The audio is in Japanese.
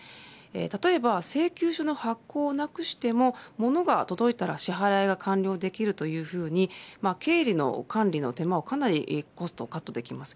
例えば請求書の発行をなくしても物が届いたら支払いが完了できるというふうに経理の管理の手間をかなりコストカットできます。